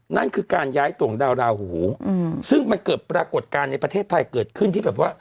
นั่นคือการย้ายตัวของดาวราหูซึ่งมันเกิดปรากฏการณ์ในประเทศไทยเกิดขึ้นที่แบบว่า